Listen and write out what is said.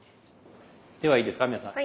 ではいいですか皆さん。